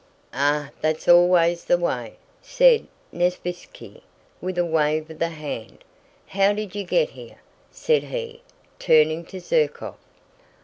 "Ah, that's always the way!" said Nesvítski with a wave of the hand. "How did you get here?" said he, turning to Zherkóv.